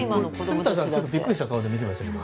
住田さん、ビックリした顔で見てましたけど。